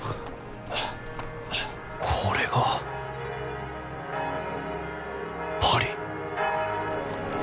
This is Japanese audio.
これがパリ！